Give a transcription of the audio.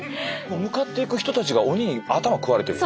向かっていく人たちが鬼に頭食われてる。